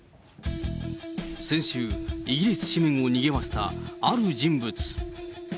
先週、イギリス紙面をにぎわしたある人物。